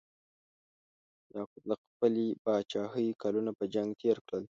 یعقوب د خپلې پاچاهۍ کلونه په جنګ تیر کړل.